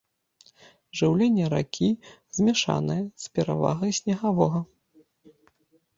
Жыўленне ракі змяшанае, з перавагай снегавога.